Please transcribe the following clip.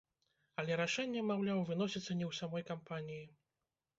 Але рашэнне, маўляў, выносіцца не ў самой кампаніі.